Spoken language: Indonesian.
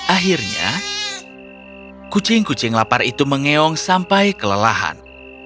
akhirnya kucing kucing lapar itu mengeong sampai kelelahan